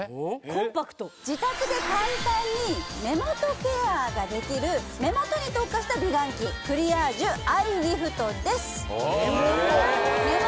コンパクト自宅で簡単に目元ケアができる目元に特化した美顔器クリアージュアイリフトです・目元？